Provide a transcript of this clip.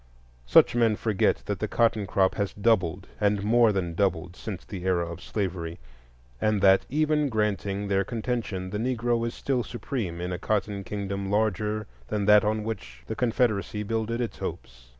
Such men forget that the cotton crop has doubled, and more than doubled, since the era of slavery, and that, even granting their contention, the Negro is still supreme in a Cotton Kingdom larger than that on which the Confederacy builded its hopes.